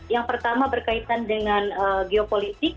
yang pertama berkaitan dengan geopolitik